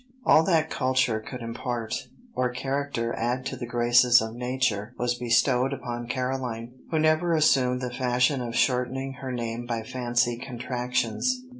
All that culture could impart, or character add to the graces of nature, was bestowed upon Caroline, who never assumed the fashion of shortening her name by fancy contractions.